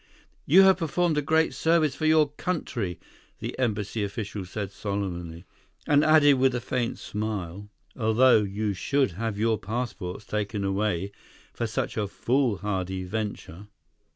"You have performed a great service for your country," the embassy official said solemnly, and added with a faint smile, "although you should have your passports taken away for such a foolhardy venture."